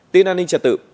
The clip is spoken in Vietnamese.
tin an ninh trật tự